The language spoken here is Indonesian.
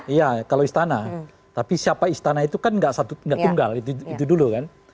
iya kalau istana tapi siapa istana itu kan nggak tunggal itu dulu kan